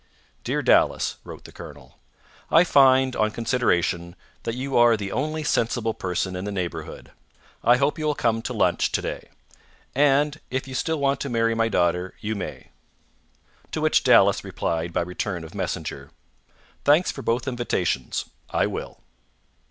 "Dear Dallas" (wrote the colonel), "I find, on consideration, that you are the only sensible person in the neighbourhood. I hope you will come to lunch to day. And if you still want to marry my daughter, you may." To which Dallas replied by return of messenger: "Thanks for both invitations. I will."